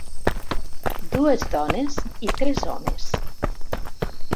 Dues dones i tres homes.